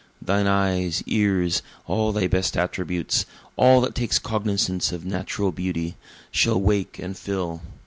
Thine eyes, ears all thy best attributes all that takes cognizance of natural beauty, Shall wake and fill.